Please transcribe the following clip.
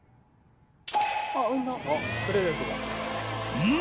［うん！？